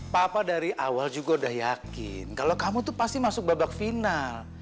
papa dari awal juga udah yakin kalau kamu tuh pasti masuk babak final